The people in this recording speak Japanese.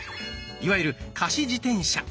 いわゆる貸し自転車。